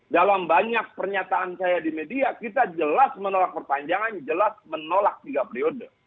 dalam banyak pernyataan saya di media kita jelas menolak perpanjangan jelas menolak tiga periode